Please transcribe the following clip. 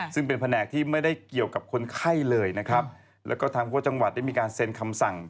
ซึ่งเป็นแผนกที่ไม่ได้เกี่ยวกับคนไข้เลยนะครับแล้วก็ทางคั่วจังหวัดได้มีการเซ็นคำสั่ง